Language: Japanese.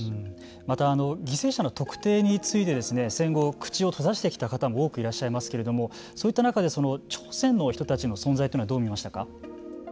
また犠牲者の特定について戦後、口を閉ざしてきた方も多くいらっしゃいますけれどもそういった中で、朝鮮の人たちの存在というのはどう見ましたか。